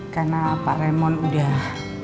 karena pak raymond udah